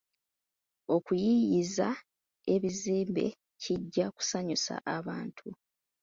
Okuyiiyiza ebizimbe kijja kusanyusa abantu.